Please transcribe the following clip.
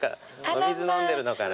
お水飲んでるのかな？